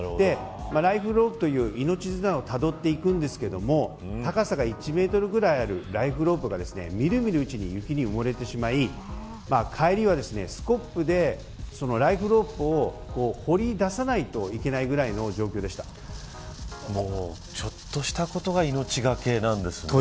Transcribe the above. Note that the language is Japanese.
ライフログという命綱をたどっていくんですが高さが１メートルぐらいあるライフロープがみるみるうちに雪に埋もれてしまい帰りはスコップでライフロープを掘り出さないといけないぐらいのちょっとしたことが命懸けなんですね。